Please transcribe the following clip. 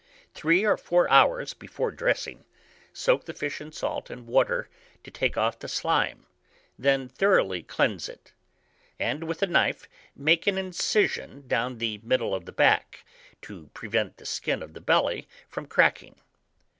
Three or four hours before dressing, soak the fish in salt and water to take off the slime; then thoroughly cleanse it, and with a knife make an incision down the middle of the back, to prevent the skin of the belly from cracking.